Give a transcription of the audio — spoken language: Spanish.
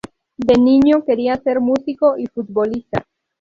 De niño quería ser músico y futbolista.